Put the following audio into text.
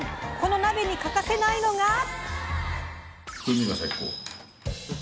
この鍋に欠かせないのが。